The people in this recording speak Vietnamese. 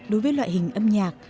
đối với loại hình âm nhạc